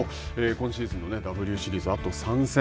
今シーズンＷシリーズあと３戦。